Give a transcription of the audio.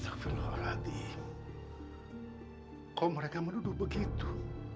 kok mereka menuduh begitu